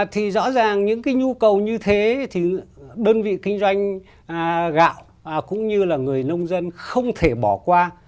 thì rõ ràng những cái nhu cầu như thế thì đơn vị kinh doanh gạo cũng như là người nông dân không thể bỏ qua